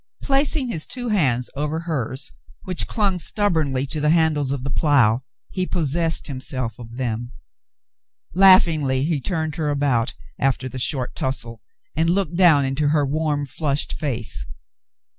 Placing his two hands over hers which clung stubbornly to the handles of the plough, he possessed himself of them. Laughingly he turned her about after the short tussle, and looked down into her warm, flushed face.